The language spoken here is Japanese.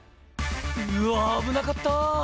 うわー、危なかった。